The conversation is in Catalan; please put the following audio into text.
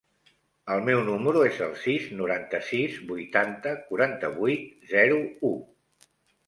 El meu número es el sis, noranta-sis, vuitanta, quaranta-vuit, zero, u.